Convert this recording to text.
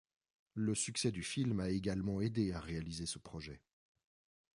Le succès du film a également aidé à réaliser ce projet.